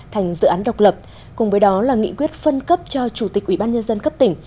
thành dự án độc lập cùng với đó là nghị quyết phân cấp cho chủ tịch ủy ban nhân dân cấp tỉnh